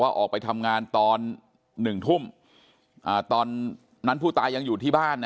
ออกไปทำงานตอน๑ทุ่มตอนนั้นผู้ตายยังอยู่ที่บ้านนะ